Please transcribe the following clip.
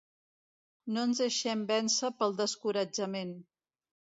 No ens deixem vèncer pel descoratjament.